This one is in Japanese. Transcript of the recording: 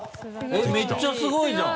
めっちゃすごいじゃん。